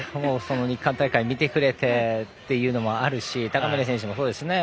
日韓大会、見てくれてというのもあるし高嶺選手もそうですよね。